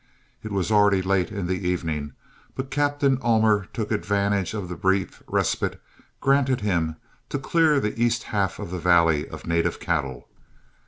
It was already late in the evening, but Captain Ullmer took advantage of the brief respite granted him to clear the east half of the valley of native cattle.